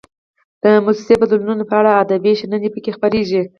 د موسمي بدلونونو په اړه ادبي شننې پکې خپریږي.